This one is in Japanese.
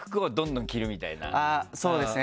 そうですね